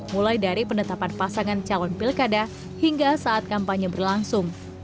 mulai dari penetapan pasangan calon pilkada hingga saat kampanye berlangsung